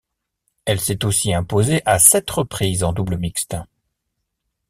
Elle s'est aussi imposée à sept reprises en double mixte.